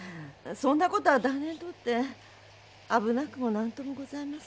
そんな事は旦那にとって危なくも何ともございませんよ。